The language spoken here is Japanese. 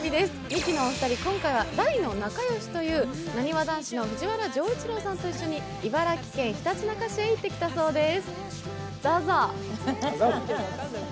ミキのお二人、今回は大の仲良しというなにわ男子の藤原丈一郎さんと一緒に茨城県ひたちなか市へ行ってきたそうです。